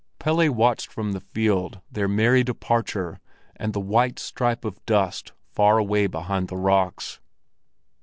Pelle watched from the field their merry departure and the white stripe of dust far away behind the rocks.